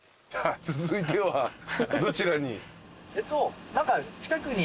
続いてはどちらに？